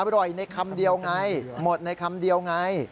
อร่อยในคำเดียวไงหมดในคำเดียวไง